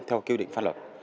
theo quy định pháp luật